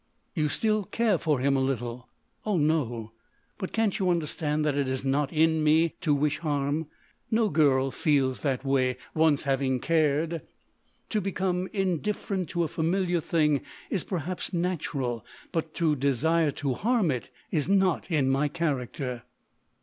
"You still care for him a little?" "Oh, no. But—can't you understand that it is not in me to wish him harm?... No girl feels that way—once having cared. To become indifferent to a familiar thing is perhaps natural; but to desire to harm it is not in my character."